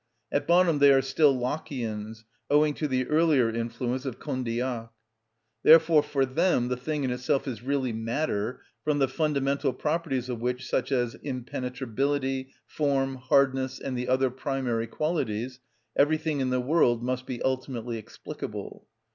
At bottom they are still Lockeians, owing to the earlier influence of Condillac. Therefore for them the thing in itself is really matter, from the fundamental properties of which, such as impenetrability, form, hardness, and the other primary qualities, everything in the world must be ultimately explicable.